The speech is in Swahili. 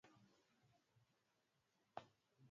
Yeye alikuwa Balozi wake Umoja wa Mataifa